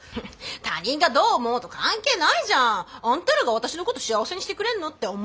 他人がどう思おうと関係ないじゃん！あんたらが私のこと幸せにしてくれんの？って思うし。